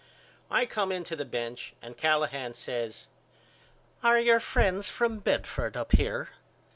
I come in to the bench and Callahan says Are your friends from Bedford up here?